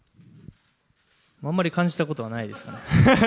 あんまり感じたことはないですかね。